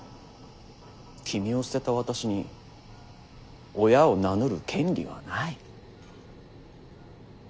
君を捨てた私に親を名乗る権利はない。